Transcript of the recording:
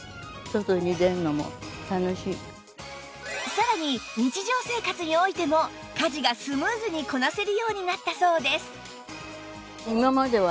さらに日常生活においても家事がスムーズにこなせるようになったそうです